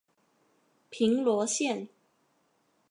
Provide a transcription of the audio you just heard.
平罗线